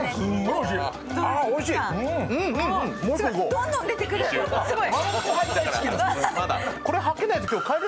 どんどん出てくる、すごい。